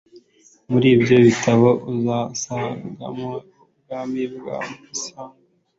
Muribyo Bitabo Uzasangamo Ubwami bwa musinga